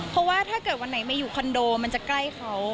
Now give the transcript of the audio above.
เพราะว่าถ้าเกิดวันไหนมาอยู่คอนโดมันจะใกล้เขา